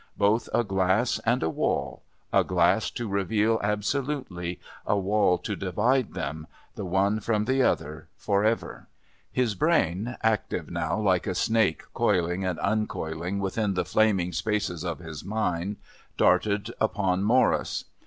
Both a glass and a wall a glass to reveal absolutely, a wall to divide them, the one from the other, for ever. His brain, active now like a snake coiling and uncoiling within the flaming spaces of his mind, darted upon Morris.